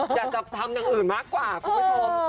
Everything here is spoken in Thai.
อยากจะทำอย่างอื่นมากกว่าคุณผู้ชม